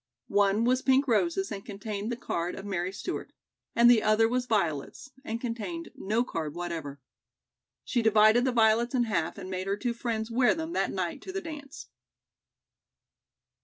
One was pink roses and contained the card of Mary Stewart, and the other was violets, and contained no card whatever. She divided the violets in half and made her two friends wear them that night to the dance.